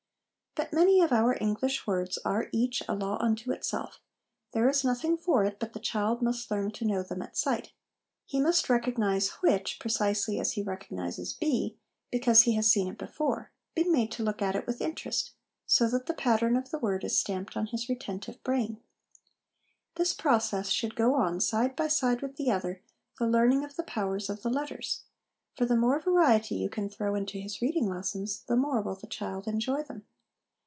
But many of our English words are, each, a law unto itself: there is nothing for it, but the child must learn to know them at sight ; he must recognise ' which,' precisely as he recognises ' B,' because he has 2O4 HOME EDUCATION seen it before, been made to look at it with interest, so that the pattern of the word is stamped on his retentive brain. This process should go on side by side with the other the learning of the powers of the letters ; for the more variety you can throw into his reading lessons, the more will the child enjoy them.